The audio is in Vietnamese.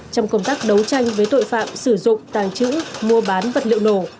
trong công tác đấu tranh với tội phạm sử dụng tàng trữ mua bán vật liệu nổ